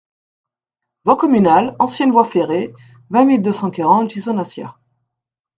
Voie Communale Ancienne Voie Ferrée, vingt mille deux cent quarante Ghisonaccia